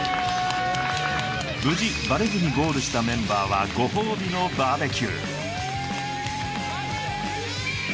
無事バレずにゴールしたメンバーはご褒美のＢＢＱフォーッ！